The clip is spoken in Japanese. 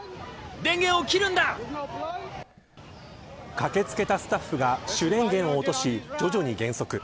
駆け付けたスタッフが主電源を落とし徐々に減速。